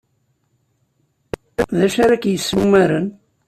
D acu ara k-yessumaren?